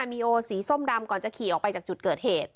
มีโอสีส้มดำก่อนจะขี่ออกไปจากจุดเกิดเหตุ